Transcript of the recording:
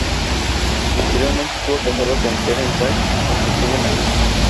Posteriormente estuvo casado con Keren Saks, con quien tuvo una hija.